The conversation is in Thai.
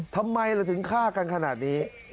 ทำไมเราถึงฆ่ากันขนาดนี้